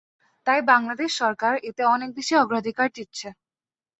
তাই বাংলাদেশ সরকার এতে অনেক বেশি অগ্রাধিকার দিচ্ছে।